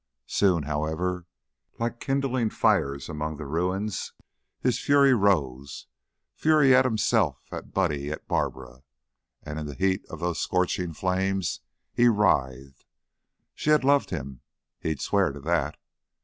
Soon, however, like kindling fires among the ruins, his fury rose fury at himself, at Buddy, at Barbara and in the heat of those scorching flames he writhed. She had loved him. He'd swear to that.